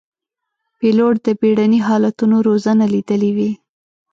پیلوټ د بېړني حالتونو روزنه لیدلې وي.